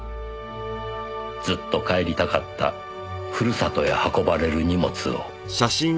ずっと帰りたかったふるさとへ運ばれる荷物を。